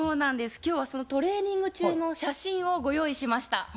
今日はそのトレーニング中の写真をご用意しました。